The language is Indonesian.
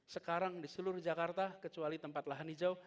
sekarang di seluruh jakarta kecuali tempat lahan hijau